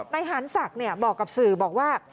นายหารศักดิ์บอกกับสื่อบอกว่า